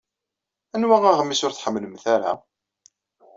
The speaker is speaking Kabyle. Anwa aɣmis ur tḥemmlemt ara?